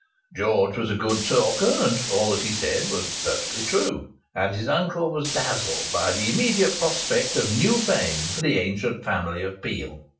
George was a good talker, and all that he said was perfectly true. And his uncle was dazzled by the immediate prospect of new fame for the ancient family of Peel.